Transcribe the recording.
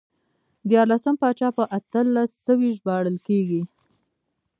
دیارلسم پاچا په اتلس سوی ژباړل کېږي.